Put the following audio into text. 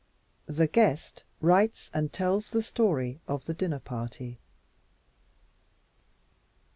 THE GUEST WRITES AND TELLS THE STORY OF THE DINNER PARTY.